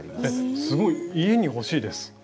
すごい家に欲しいです。